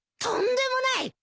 とんでもない！